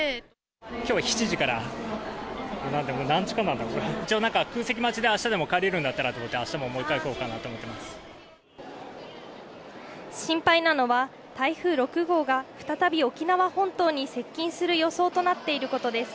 きょう７時から、何時間かな、一応なんか、空席待ちで、あしたでも帰れるんだったらと思って、あしたももう一回、心配なのは、台風６号が再び沖縄本島に接近する予想となっていることです。